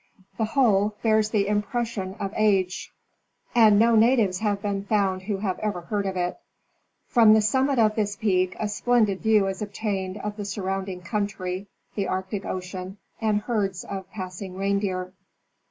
The whole bears the impression of age, and no natives have been found who have ever heard of it. From the summit of this peak a splendid view is obtained of the surround ing country, the Arctic ocean, and herds of passing reindeer.